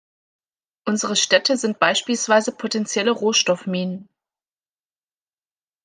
Unsere Städte sind beispielsweise potenzielle Rohstoffminen.